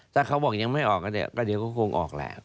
ถ้าเขาบอกยังไม่ออกก็เดี๋ยวก็คงออกแหละ